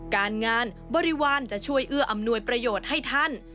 การงานบริวารจะช่วยเอื้ออำนวยประโยชน์ให้ท่าน